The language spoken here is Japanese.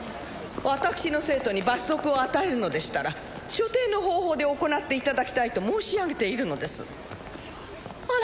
私の生徒に罰則を与えるのでしたら所定の方法で行っていただきたいと申し上げているのですあら